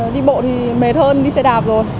đi bộ thì mệt hơn đi xe đạp rồi